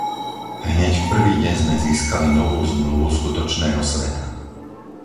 Hneď v prvý deň sme získali novú Zmluvu skutočného sveta.